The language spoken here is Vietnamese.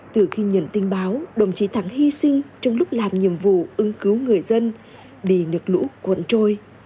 từ khi nhận tin báo đồng chí thắng hy sinh trong lúc làm nhiệm vụ ứng cứu người dân bị nước lũ cuộn trôi